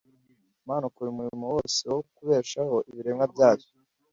Imana ikora umurimo wose wo kubeshaho ibiremwa byayo.